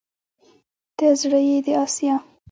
ته زړه يې د اسيا